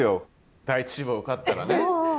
第一志望受かったらね。